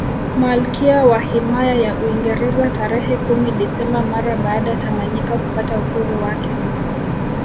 Malkia wa himaya ya Uingereza tarehe kumi Desemba mara baada Tanganyika kupata uhuru wake